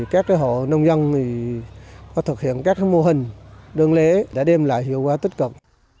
các hộ nông dân có thực hiện các mô hình đơn lễ đã đem lại hiệu quả tích cực